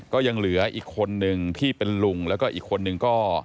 ก็ยังเหลืออีกคนนึงที่เป็นลุงแล้วก็อีกคนนึงก็